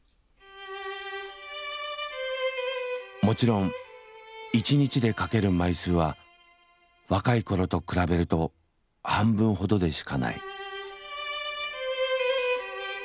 もちろん一日で書ける枚数は若い頃と比べると半分ほどでしかない。